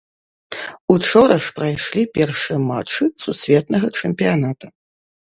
Учора ж прайшлі першыя матчы сусветнага чэмпіяната.